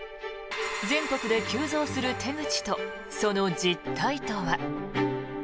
全国で急増する手口とその実態とは。